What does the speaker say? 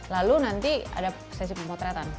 lalu nanti ada sesi pemotretan